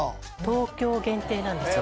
東京限定なんですよ